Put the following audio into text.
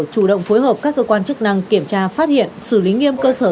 chủ động phối hợp các cơ quan chức năng kiểm tra phát hiện xử lý nghiêm cơ sở